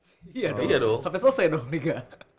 sampai selesai dong